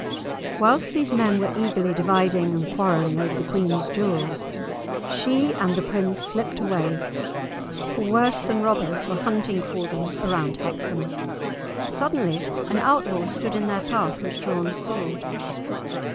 Whilst these men were eagerly dividing and quarrelling over the queen's jewels, she and the prince slipped away. Deeper into the dangerous woods they had to go, for worse than robbers were hunting for them around Hexham. Suddenly an outlaw stood in their path with drawn sword.